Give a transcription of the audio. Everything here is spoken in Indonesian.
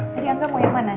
jadi angga mau yang mana